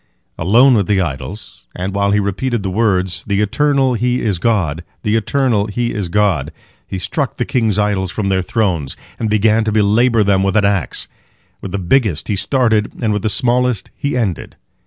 Alone with the idols, and while he repeated the words, "The Eternal He is God, the Eternal He is God!" he struck the king's idols from their thrones, and began to belabor them with an axe. With the biggest he started, and with the smallest he ended.